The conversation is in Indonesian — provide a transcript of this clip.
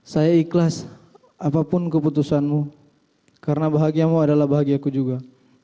saya ikhlas apapun keputusanmu karena bahagiamu adalah bahagiaku juga